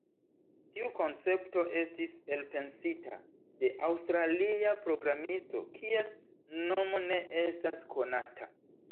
Tiu koncepto estis elpensita de aŭstralia programisto, kies nomo ne estas konata.